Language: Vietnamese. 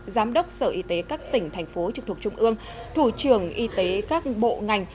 giám đốc sở y tế các tỉnh thành phố trực thuộc trung ương thủ trưởng y tế các bộ ngành